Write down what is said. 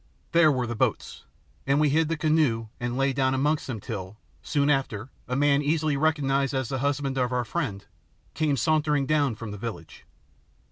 There were the boats, and we hid the canoe and lay down amongst them till, soon after, a man, easily recognised as the husband of our friend, came sauntering down from the village.